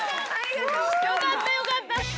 よかったよかった。